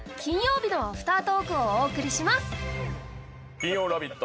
金曜「ラヴィット！」